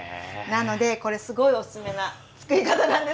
なのでこれすごいオススメなつくり方なんですよ。